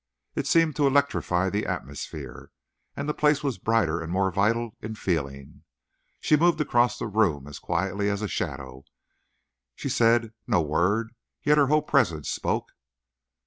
It seemed to electrify the atmosphere, and the place was brighter and more vital in feeling. She moved across the room as quietly as a shadow, she said no word, yet her whole presence spoke.